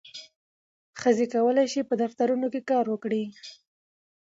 ښځې کولی شي په دفترونو کې کار وکړي.